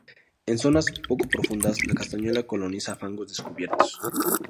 En zonas poco profundas la castañuela coloniza fangos descubiertos.